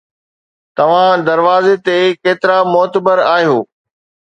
توهان دروازي تي ڪيترا معتبر آهيو